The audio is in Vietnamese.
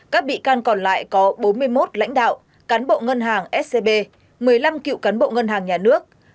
các bị can còn lại có bốn mươi một lãnh đạo cán bộ ngân hàng scb một mươi năm cựu cán bộ ngân hàng nhà nước